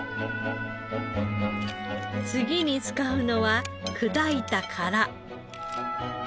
次に使うのは砕いた殻。